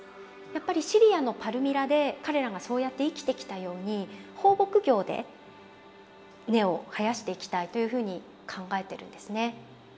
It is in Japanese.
やっぱりシリアのパルミラで彼らがそうやって生きてきたように放牧業で根を生やしていきたいというふうに考えてるんですね。